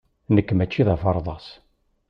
Nekk maci d aferḍas.